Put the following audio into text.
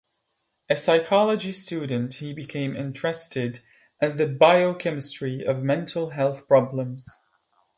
As a psychology student, he became interested in the biochemistry of mental health problems.